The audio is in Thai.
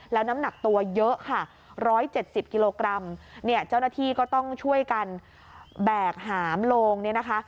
แล้วน้ำหนักตัวเยอะค่ะ๑๗๐กิโลกรัมเนี่ยเจ้าหน้าที่ก็ต้องช่วยกันแบกหามโลงเนี่ยนะคะ